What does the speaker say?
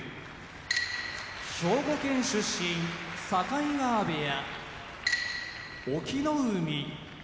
兵庫県出身境川部屋隠岐の海